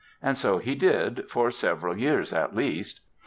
And so he did—for several years, at least.